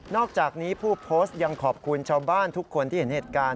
อกจากนี้ผู้โพสต์ยังขอบคุณชาวบ้านทุกคนที่เห็นเหตุการณ์